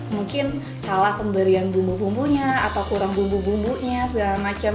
mungkin salah pemberian bumbu bumbunya atau kurang bumbu bumbunya segala macam